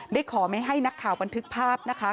ขอไม่ให้นักข่าวบันทึกภาพนะคะ